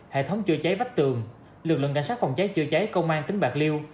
hệ thống chữa cháy vách tường lực lượng cảnh sát phòng cháy chữa cháy công an tỉnh bạc liêu